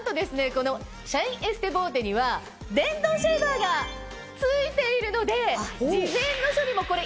このシャインエステボーテには電動シェーバーが付いているので。